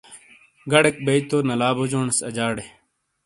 گڑیک بئیی تو نلا بوجونیس اجاڑے